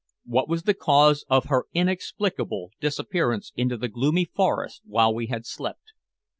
What was the cause of her inexplicable disappearance into the gloomy forest while we had slept?